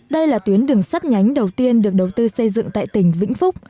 đây là tuyến đường sắt nhánh đầu tiên được đầu tư xây dựng tại tỉnh vĩnh phúc